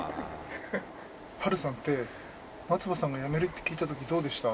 波瑠さんって、松葉さんが辞めるって聞いたとき、どうでした？